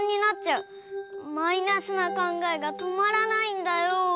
マイナスなかんがえがとまらないんだよ。